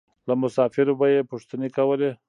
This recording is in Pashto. له مسافرو به یې پوښتنې کولې.